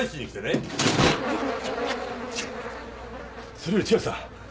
それより千秋さん。